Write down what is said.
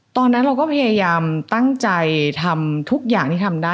ตอนนั้นเราก็พยายามตั้งใจทำทุกอย่างที่ทำได้